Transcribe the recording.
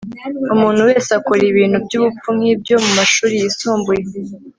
Umuntu wese akora ibintu byubupfu nkibyo mumashuri yisumbuye